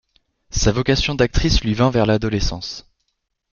Sa vocation d'actrice lui vint vers l'adolescence.